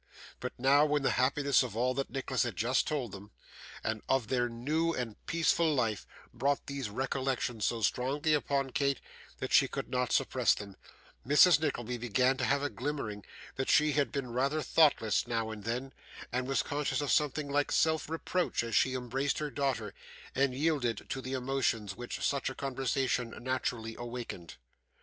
But now, when the happiness of all that Nicholas had just told them, and of their new and peaceful life, brought these recollections so strongly upon Kate that she could not suppress them, Mrs. Nickleby began to have a glimmering that she had been rather thoughtless now and then, and was conscious of something like self reproach as she embraced her daughter, and yielded to the emotions which such a conversation naturally awakened.